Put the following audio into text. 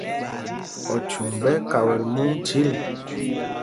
Ochuŋ ɓɛ́ ɛ́ kawɛl múŋ chǐl.